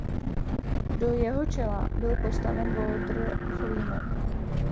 Do jeho čela byl postaven Walter Freeman.